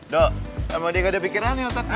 do emang dia gak ada pikirannya otaknya